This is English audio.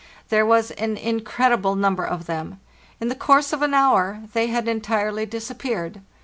There was an incredible number of them. In the course of an hour they had entirely disappeared.